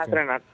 itu mah trenat